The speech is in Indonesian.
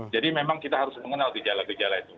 jadi memang kita harus mengenal gejala gejala itu